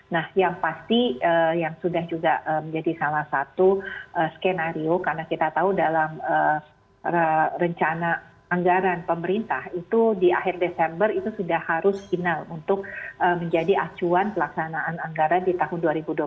nah yang pasti yang sudah juga menjadi salah satu skenario karena kita tahu dalam rencana anggaran pemerintah itu di akhir desember itu sudah harus final untuk menjadi acuan pelaksanaan anggaran di tahun dua ribu dua puluh